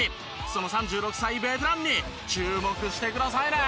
その３６歳ベテランに注目してくださいね！